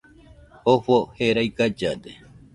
Jofo jerai gallade